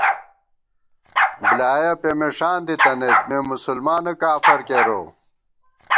بۡلیایَہ پېمېݭان دِتَنَئیت، مے مسلمانہ کافر کېروؤ